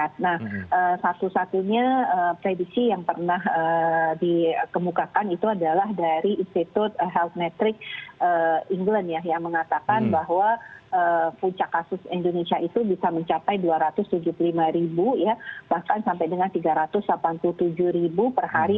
tapi kembali lagi saya setakat dengan disampaikan oleh pak miko prasubairi